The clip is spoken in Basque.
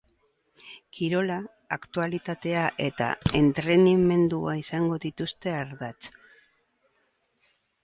Kirola, aktualitatea eta entretenimendua izango dituzte ardatz.